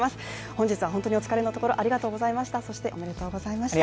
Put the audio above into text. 本日は本当にお疲れのところ、ありがとうございました。